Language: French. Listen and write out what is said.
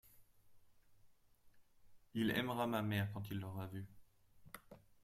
il aimera ma mère quand il l'aura vue.